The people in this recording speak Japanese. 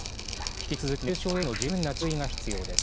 引き続き、熱中症への十分な注意が必要です。